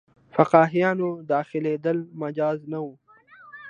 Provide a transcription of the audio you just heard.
فقیهانو داخلېدل مجاز نه وو.